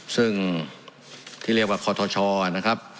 ซึ่งที่เรียกว่าคอทชนะครับ